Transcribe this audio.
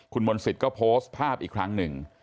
คุณมนต์สิทธิ์ก็โพสต์ภาพอีกครั้งหนึ่ง